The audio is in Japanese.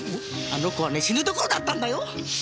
あの子はね死ぬところだったんだよ！